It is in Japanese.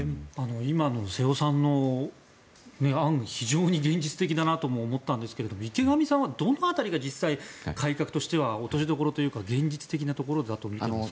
今の瀬尾さんの案は非常に現実的だなと思いましたが池上さんはどの辺りが実際に改革としては落としどころというか現実的なところだとみていますか？